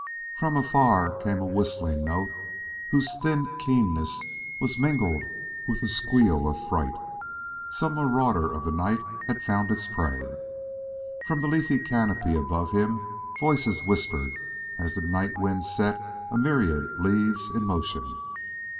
From afar came a whistling note whose thin keenness was mingled with a squeal of fright: some marauder of the night had found its prey. From the leafy canopy above him voices whispered as the night wind set a myriad leaves in motion.